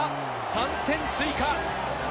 ３点追加。